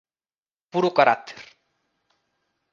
Puro carácter.